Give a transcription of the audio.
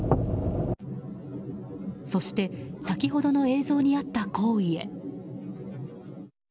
そして先ほどの映像にあった行為へ。